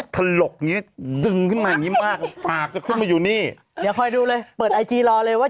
ทำไม